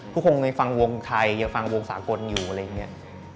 ทุกคนยังฟังวงไทยยังฟังวงสากลอยู่อะไรอย่างนี้